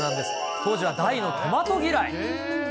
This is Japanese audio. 当時は大のトマト嫌い。